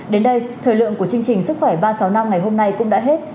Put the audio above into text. đến đây thời lượng của chương trình sức khỏe ba trăm sáu mươi năm ngày hôm nay cũng đã hết